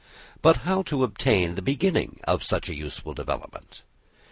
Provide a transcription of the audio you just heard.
But how to obtain the beginning of such useful development?"